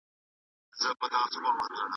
ولې خلګ د مطالعې ارزښت نه پېژني؟